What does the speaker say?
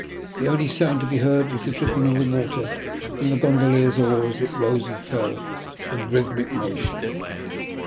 The only sound to be heard was the dripping of the water from the gondolier's oar as it rose and fell in rhythmic motion.